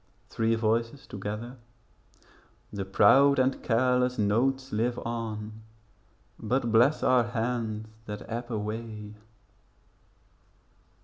Three Voices together The proud and careless notes live on But bless our hands that ebb away.